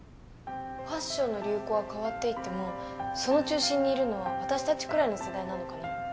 ファッションの流行は変わっていってもその中心にいるのは私たちくらいの世代なのかな。